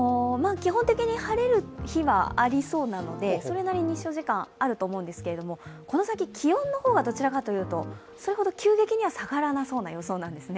基本的には晴れる日はありそうなのでそれなりに日照時間はあると思うんですけれども、この先、気温の方はどちらかというと、それほど急激には下がらなそうな予想なんですね。